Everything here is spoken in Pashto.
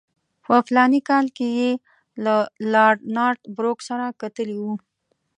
په فلاني کال کې یې له لارډ نارت بروک سره کتلي وو.